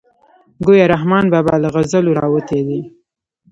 ګویا رحمان بابا له غزلو راوتی دی.